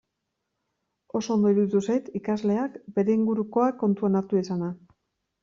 Oso ondo iruditu zait ikasleak bere ingurukoak kontuan hartu izana.